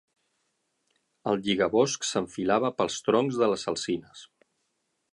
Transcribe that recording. El lligabosc s'enfilava pels troncs de les alzines.